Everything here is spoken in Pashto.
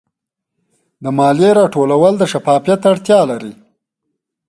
د مالیې راټولول د شفافیت اړتیا لري.